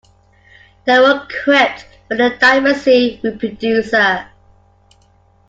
They were equipped with the Diamond C reproducer.